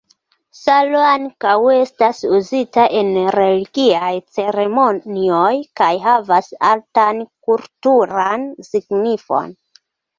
Salo ankaŭ estas uzita en religiaj ceremonioj kaj havas altan kulturan signifon.